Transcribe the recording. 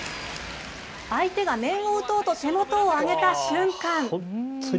相手が面を打とうと手元をあげた瞬間。